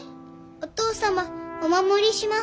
お父様お守りします。